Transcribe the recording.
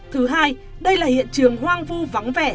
thứ hai đây là hiện trường hoang vu vắng vẻ